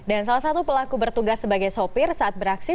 dan salah satu pelaku bertugas sebagai sopir saat beraksi